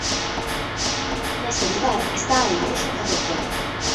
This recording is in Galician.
Neste lugar está a igrexa parroquial.